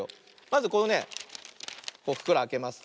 まずこのねふくろあけます。